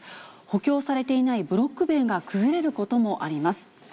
補強されていないブロック塀が崩れることもあります。